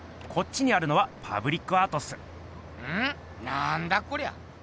なんだこりゃ？